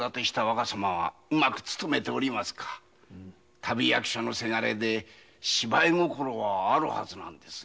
旅役者のセガレで芝居心はあるはずなんですが。